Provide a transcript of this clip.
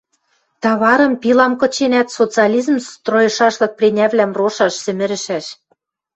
Таварым, пилам кыченӓт, социализм стройышашлык пренявлӓм рошаш, сӹмӹрӹшӓш...